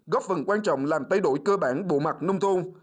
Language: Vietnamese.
góp phần quan trọng làm thay đổi cơ bản bộ mặt nông thôn